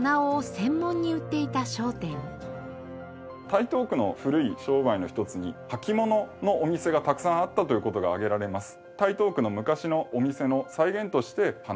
台東区の古い商売の一つに履物のお店がたくさんあったという事が挙げられます。